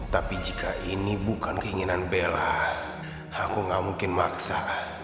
tapi jika ini bukan keinginan bella aku gak mungkin maksa